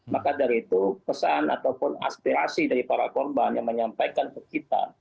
maka dari itu pesan ataupun aspirasi dari para korban yang menyampaikan ke kita